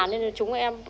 nên chúng em